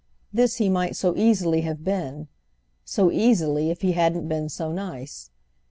This he might so easily have been—so easily if he hadn't been so nice.